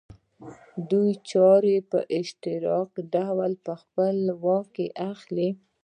دوی چارې په اشتراکي ډول په خپل واک کې اخلي